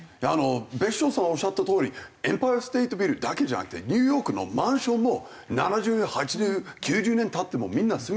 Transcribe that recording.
別所さんおっしゃったとおりエンパイア・ステート・ビルだけじゃなくてニューヨークのマンションも７０年８０年９０年経ってもみんな住み続けてるんですよ。